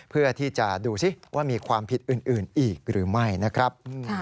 เพื่อที่จะดูสิว่ามีความผิดอื่นอีกหรือไม่นะครับ